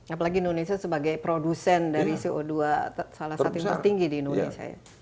apalagi indonesia sebagai produsen dari co dua salah satu yang tertinggi di indonesia ya